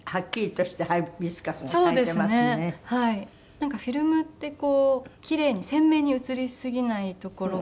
なんかフィルムってこうきれいに鮮明に写りすぎないところが。